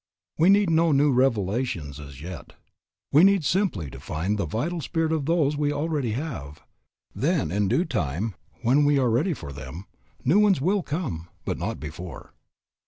We need no new revelations as yet. We need simply to find the vital spirit of those we already have. Then in due time, when we are ready for them, new ones will come, but not before.